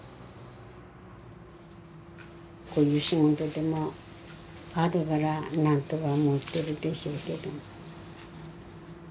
こういう仕事でもあるから何とかもってるでしょうけど。